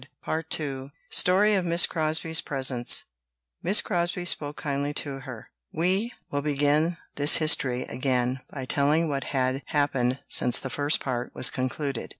] Part II Story of Miss Crosbie's Presents [Illustration: Miss Crosbie spoke kindly to her] We will begin this history again, by telling what had happened since the first part was concluded.